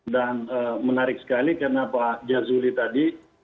dan menarik sekali karena pak jazuli tadi